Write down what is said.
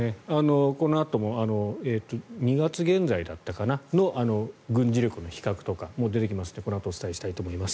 このあとも２月現在の軍事力の比較とか出てきますので、このあとお伝えしたいと思います。